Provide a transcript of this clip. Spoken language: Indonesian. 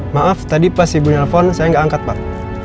maaf tadi pas ibu nelfon saya nggak angkat pak